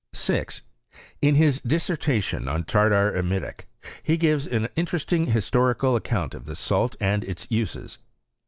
6. In his dissertation on tartar emetic, he gives an interesting historical account of this salt and its nses.